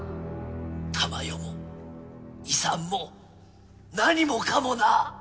珠世も遺産も何もかもな。